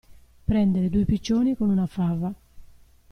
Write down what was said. Prendere due piccioni con una fava.